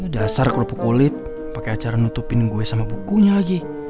dasar kerupuk kulit pakai acara nutupin gue sama bukunya lagi